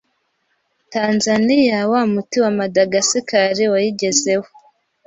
Tanzania wa 'muti' wa Madagascar wayigezeho